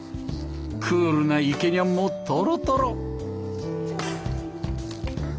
クールなイケニャンもとろとろ。